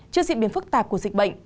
trước diễn biến phức tạp của dịch vụ